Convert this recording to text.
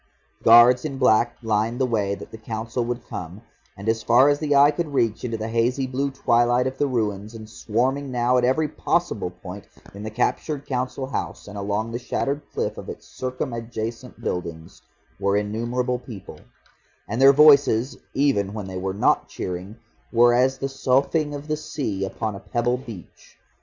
Guards in black lined the way that the Council would come, and as far as the eye could reach into the hazy blue twilight of the ruins, and swarming now at every possible point in the captured Council House and along the shattered cliff of its circumadjacent buildings, were innumerable people, and their voices, even when they were not cheering, were as the soughing of the sea upon a pebble beach.